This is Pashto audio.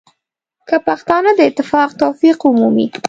که پښتانه د اتفاق توفیق ومومي.